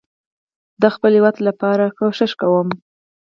ده خپل هيواد لپاره کوښښ کوم